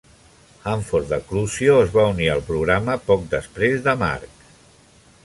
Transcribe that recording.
Hanford de Cruzio es va unir al programa poc després de Mark.